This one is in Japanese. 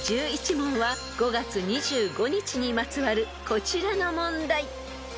［５月２５日にまつわるこちらの問題］